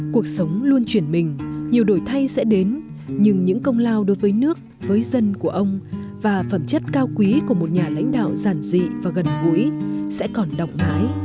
cuộc sống luôn chuyển mình nhiều đổi thay sẽ đến nhưng những công lao đối với nước với dân của ông và phẩm chất cao quý của một nhà lãnh đạo giản dị và gần gũi sẽ còn động mãi